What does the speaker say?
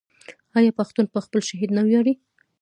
آیا پښتون په خپل شهید نه ویاړي؟